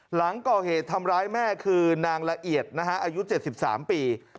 หลังก่อเหตุทำร้ายแม่คือนางละเอียดนะฮะอายุ๗๓ปี